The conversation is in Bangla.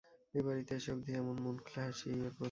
এ বাড়িতে এসে অবধি এমন মন খুলে হাসি এই ওর প্রথম।